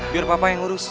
biar papa yang urus